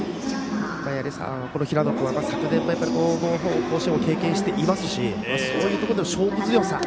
平野君は昨年も甲子園を経験していますしそういうところでの勝負強さ。